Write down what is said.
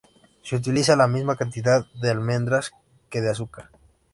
Se utiliza la misma cantidad de almendras que de azúcar.